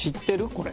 これ。